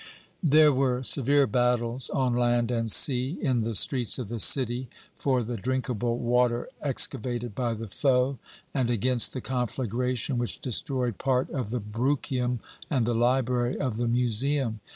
"There were severe battles on land and sea; in the streets of the city, for the drinkable water excavated by the foe; and against the conflagration which destroyed part of the Bruchium and the library of the museum.